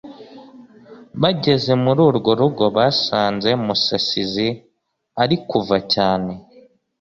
Bageze muri urwo rugo basanze Musasizi ari kuva cyane